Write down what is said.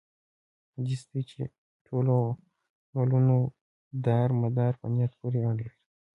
حديث دی چې: د ټولو عملونو دار مدار په نيت پوري اړه لري